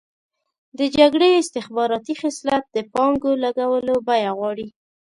د جګړې استخباراتي خصلت د پانګو لګولو بیه غواړي.